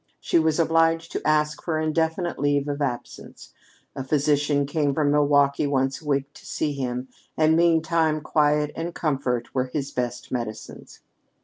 She was obliged to ask for indefinite leave of absence. A physician came from Milwaukee once a week to see him; and meantime quiet and comfort were his best medicines.